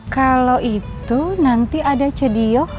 kalau itu nanti ada cedio